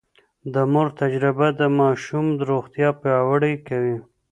د مور تجربه د ماشوم روغتيا پياوړې کوي.